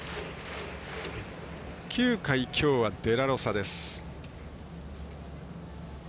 ９回、きょうはデラロサです。